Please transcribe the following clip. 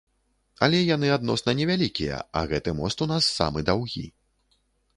Але яны адносна невялікія, а гэты мост у нас самы даўгі.